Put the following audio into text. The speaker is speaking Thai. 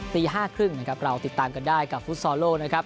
ตี๕๓๐นะครับเราติดตามกันได้กับฟุตซอลโลกนะครับ